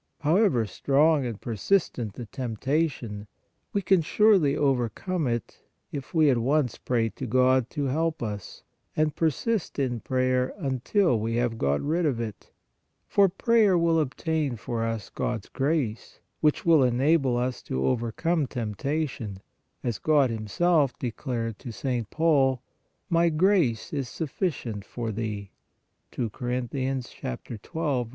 However strong and persistent the temptation, we can surely overcome it, if we at once pray to God to help us, and persist in prayer until we have got rid of it, for prayer will obtain for us God s grace, which will enable us to overcome temptation, as God Himself declared to St. Paul :" My grace is sufficient for thee " (II Cor. 12. 9).